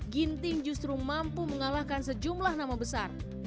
ginting justru mampu mengalahkan sejumlah nama besar